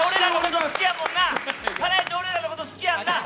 ハライチ俺らのこと好きやもんな！